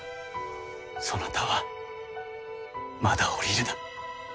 そなたはまだ降りるな。